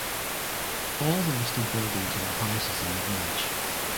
All the listed buildings are houses in the village.